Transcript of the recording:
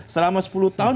selama sepuluh tahun